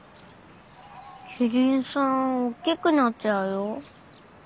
キリンさん大きくなっちゃうよ。